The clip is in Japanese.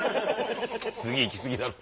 次行き過ぎだろ。